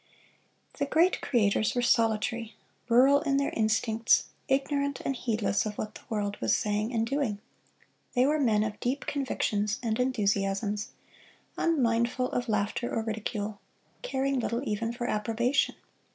The great creators were solitary, rural in their instincts, ignorant and heedless of what the world was saying and doing. They were men of deep convictions and enthusiasms, unmindful of laughter or ridicule, caring little even for approbation.